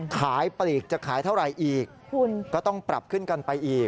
ปลีกจะขายเท่าไหร่อีกก็ต้องปรับขึ้นกันไปอีก